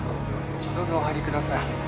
どうぞお入りください。